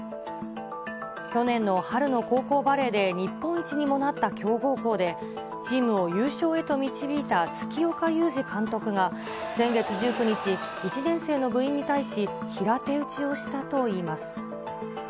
去年の春の高校バレーで日本一にもなった強豪校で、チームを優勝へと導いた月岡裕二監督が、先月１９日、１年生の部員に対し平手打ちをしたといいます。